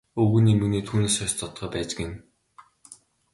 Өвгөн нь эмгэнээ түүнээс хойш зодохоо байж гэнэ.